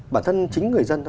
bản thân chính người dân